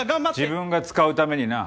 自分が使うためにな。